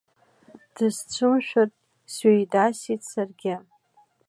Дысцәымшәартә сҩеидасит саргьы.